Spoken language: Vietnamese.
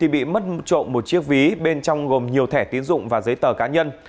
bị mất trộm một chiếc ví bên trong gồm nhiều thẻ tiến dụng và giấy tờ cá nhân